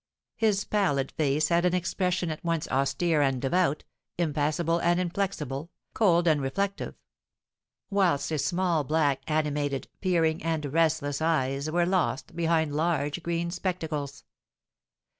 His pallid face had an expression at once austere and devout, impassible and inflexible, cold and reflective; whilst his small, black, animated, peering, and restless eyes were lost behind large green spectacles.